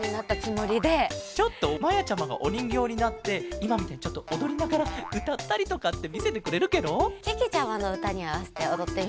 ちょっとまやちゃまがおにんぎょうになっていまみたいにちょっとおどりながらうたったりとかってみせてくれるケロ？けけちゃまのうたにあわせておどってみる？